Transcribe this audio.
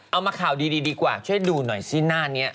เอามาข่าวดีดีกว่าช่วยดูหน่อยซิหน้านี้